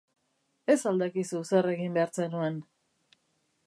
Ez al dakizu zer egin behar zenuen?